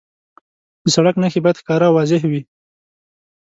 د سړک نښې باید ښکاره او واضح وي.